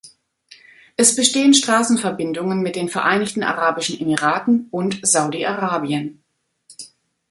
Es bestehen Straßenverbindungen mit den Vereinigten Arabischen Emiraten und Saudi-Arabien.